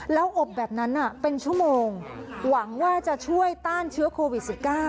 แล้วอบแบบนั้นเป็นชั่วโมงหวังว่าจะช่วยต้านเชื้อโควิด๑๙